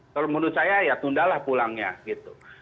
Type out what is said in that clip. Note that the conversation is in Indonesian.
kalau menurut saya ya tundalah pulangnya gitu